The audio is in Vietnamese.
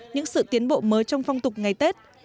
những sự tiến bộ mới trong phong tục ngày tết